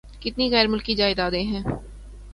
کتنی غیر ملکی جائیدادیں ہیں۔